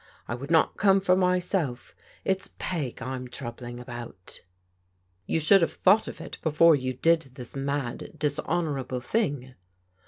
I would not come for myself; it's Peg I'm troubling about." "You should have thought of it before you did this mad, dishonourable thing."